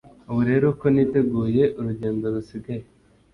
ubu rero ko niteguye urugendo rusigaye,